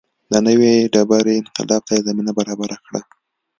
د نوې ډبرې انقلاب ته یې زمینه برابره کړه.